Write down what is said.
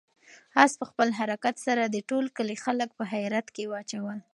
آس په خپل حرکت سره د ټول کلي خلک په حیرت کې واچول.